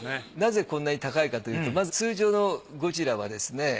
なぜこんなに高いかというとまず通常のゴジラはですね